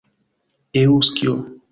eŭskio